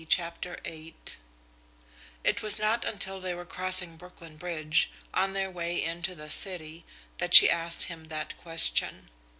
CHAPTER VIII It was not until they were crossing Brooklyn Bridge, on their way into the city, that she asked him that question.